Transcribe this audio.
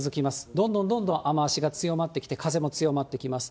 どんどんどんどん雨足が強まってきて、風も強まってきます。